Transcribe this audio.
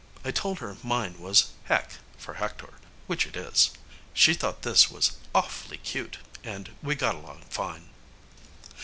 I told her mine was Heck, for Hector, which it is. She thought this was "awfully cute" and we got along fine.